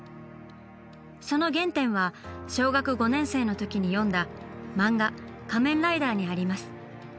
その原点は小学５年生のときに読んだ漫画「仮面ライダー」にあります。